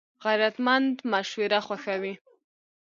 غیرتمند مشوره خوښوي